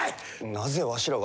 なぜわしらが。